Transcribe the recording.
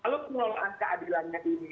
kalau pengelolaan keadilan ini